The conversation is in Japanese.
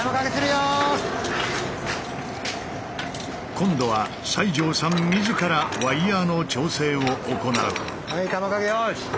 今度は西城さん自らワイヤーの調整を行う。